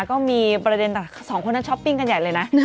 ก็มีประเด็นสองคนนั้นช้อปปิ้งกันใหญ่เลยนะ